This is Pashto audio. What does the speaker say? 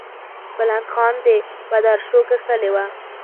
بلند خان د بدرشو کښلې وه.